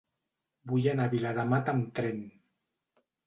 Vull anar a Viladamat amb tren.